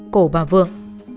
cổ bà vượng